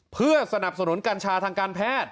เพื่อสนับสนุนกัญชาทางการแพทย์